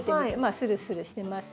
スルスルしてます。